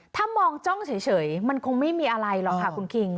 ถ้ามองจ้องเฉยมันคงไม่มีอะไรหรอกค่ะคุณคิง